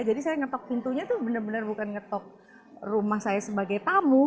jadi saya ngetok pintunya tuh bener bener bukan ngetok rumah saya sebagai tamu